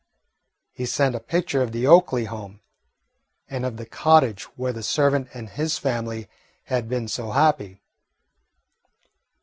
He sent a picture of the Oakley home and of the cottage where the servant and his family had been so happy.